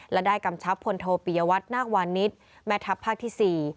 และได้กำชับพลโทปิยวัตนาควานิสแม่ทัพภาคที่๔